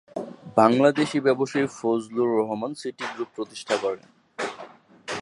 বাংলাদেশি ব্যবসায়ী Fazlur Rahman city group প্রতিষ্ঠা করেন।